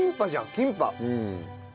キンパ。